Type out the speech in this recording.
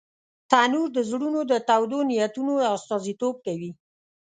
تنور د زړونو د تودو نیتونو استازیتوب کوي